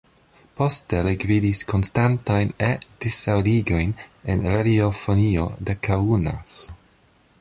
Poste li gvidis konstantajn E-disaŭdigojn en radiofonio de Kaunas.